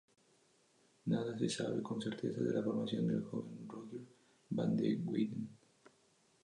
Nada se sabe con certeza de la formación del joven Rogier van der Weyden.